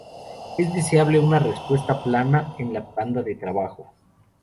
Es deseable una respuesta plana en la banda de trabajo.